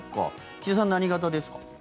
岸田さん、何型ですか？